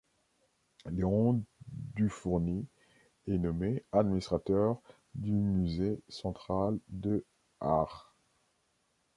Léon Dufourny est nommé administrateur du Musée central de Arts.